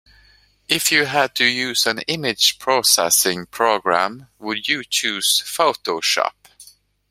If you had to use an image processing program, would you choose Photoshop?